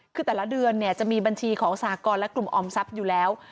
คือแต่ละเดือนเนี่ยจะมีบัญชีของสหกรณ์และกลุ่มออมทรัพย์อยู่แล้ว